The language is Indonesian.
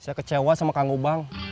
saya kecewa sama kang ubang